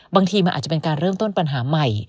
บางทีมันอาจจะเป็นการเริ่มต้นปัญหาใหม่